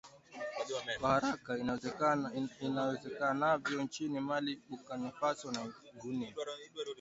kwa haraka iwezekanavyo nchini Mali Burkina Faso na Guinea